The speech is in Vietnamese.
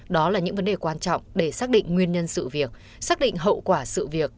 đó là những vấn đề quan trọng để xác định nguyên nhân sự việc xác định hậu quả sự việc